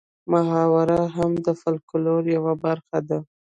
محاوره هم د فولکلور یوه برخه ده